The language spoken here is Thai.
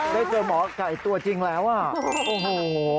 ได้เจอหมอไก่ตัวจริงแล้วอ่ะโอ้โห